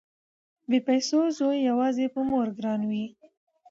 بې پيسو زوی يواځې په مور ګران وي